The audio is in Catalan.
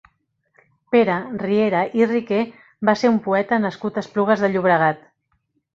Pere Riera i Riquer va ser un poeta nascut a Esplugues de Llobregat.